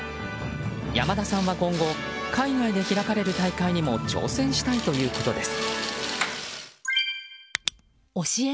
山田さんは今後海外で開かれる大会にも挑戦したいということです。